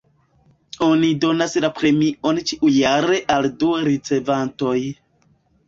Oni donas la premion ĉiujare al du ricevantoj.